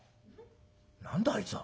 「何だあいつは？